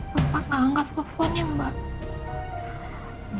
bapak gak angkat teleponnya mbak